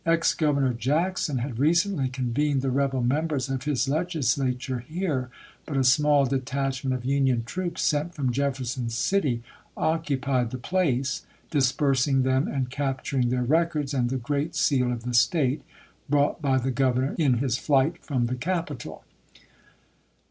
Ex Governor Jackson had recently convened the rebel members of his Legislature MILITARY EMANCIPATION 427 here, but a small detacliment of Union troops sent ch. xxiv. from Jefferson City occupied the place, dispersing them and capturing their records, and the great seal of the State, brought by the Governor in his flight from the capital.